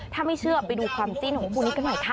ถ้าไม่เชื่อไปดูความจิ้นของคู่นี้กันหน่อยค่ะ